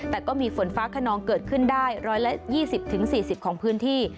แต่ก็มีฝนฟ้าขนองเกิดขึ้นได้๑๒๐๔๐ของพื้นที่